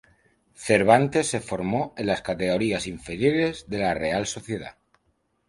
Cervantes se formó en las categorías inferiores de la Real Sociedad.